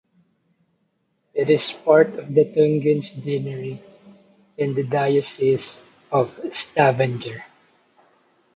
It is part of the Tungenes deanery in the Diocese of Stavanger.